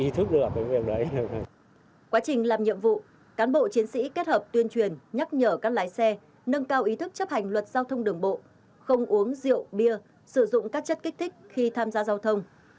quá trình làm nhiệm vụ cán bộ chiến sĩ kết hợp tuyên truyền nhắc nhở các lái xe nâng cao ý thức chấp hành luật giao thông đường bộ không uống rượu bia sử dụng các chất kích thích khi tham gia giao thông